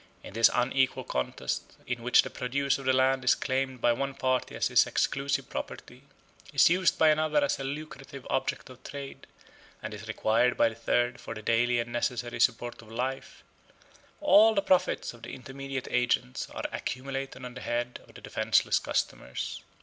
In this unequal contest, in which the produce of the land is claimed by one party as his exclusive property, is used by another as a lucrative object of trade, and is required by a third for the daily and necessary support of life, all the profits of the intermediate agents are accumulated on the head of the defenceless customers.